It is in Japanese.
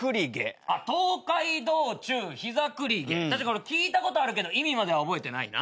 『東海道中膝栗毛』聞いたことあるけど意味までは覚えてないな。